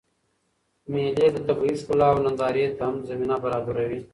مېلې د طبیعي ښکلاوو نندارې ته هم زمینه برابروي.